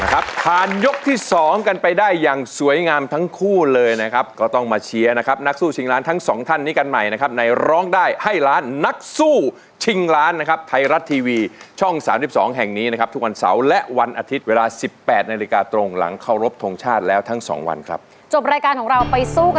ผ่านยกที่สองกันไปได้อย่างสวยงามทั้งคู่เลยนะครับก็ต้องมาเชียร์นะครับนักสู้ชิงล้านทั้งสองท่านนี้กันใหม่นะครับในร้องได้ให้ล้านนักสู้ชิงล้านนะครับไทยรัฐทีวีช่องสามสิบสองแห่งนี้นะครับทุกวันเสาร์และวันอาทิตย์เวลาสิบแปดนาฬิกาตรงหลังเคารพทงชาติแล้วทั้งสองวันครับจบรายการของเราไปสู้กัน